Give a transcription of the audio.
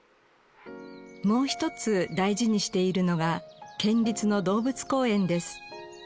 もう一つ大事にしているのが県立の動物公園です。